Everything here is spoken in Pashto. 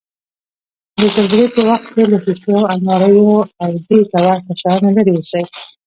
د زلزلې په وخت کې له شیشو، انواریو، او دېته ورته شیانو لرې اوسئ.